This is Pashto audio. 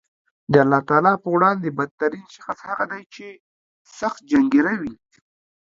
د الله تعالی په وړاندې بد ترین شخص هغه دی چې سخت جنګېره وي